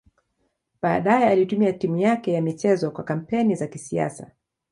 Baadaye alitumia timu yake ya michezo kwa kampeni za kisiasa.